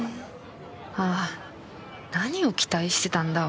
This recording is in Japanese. ああ何を期待してたんだ？